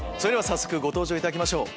早速ご登場いただきましょう。